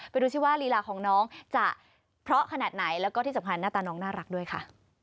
ดูสิว่าลีลาของน้องจะเพราะขนาดไหนแล้วก็ที่สำคัญหน้าตาน้องน่ารักด้วยค่ะ